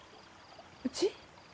うち？